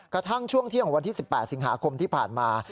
กระทั่งช่วงเที่ยงของวันที่๑๘สิงหาคมที่ผ่านมา